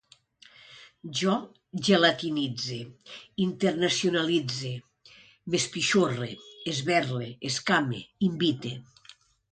Jo gelatinitze, internacionalitze, m'espixorre, esberle, escame, invite